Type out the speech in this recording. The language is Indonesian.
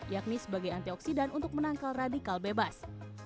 yakni sebagai antioksidan untuk menangkal radikal bebas